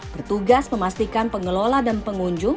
bertugas memastikan pengelola dan pengunjung